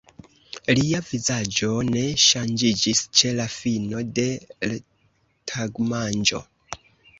Lia vizaĝo ne ŝanĝiĝis ĉe la fino de l' tagmanĝo.